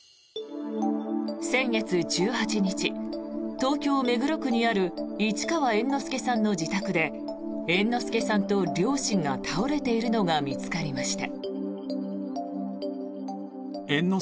先月１８日、東京・目黒区にある市川猿之助さんの自宅で猿之助さんと両親が倒れているのが見つかりました。